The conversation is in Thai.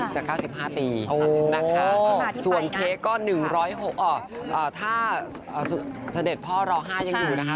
จาก๙๕ปีนะคะส่วนเค้กก็๑๐๖ออกถ้าเสด็จพ่อร๕ยังอยู่นะคะ